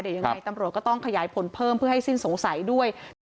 เดี๋ยวยังไงตำรวจก็ต้องขยายผลเพิ่มเพื่อให้สิ้นสงสัยด้วย